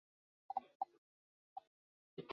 二籽薹草是莎草科薹草属的植物。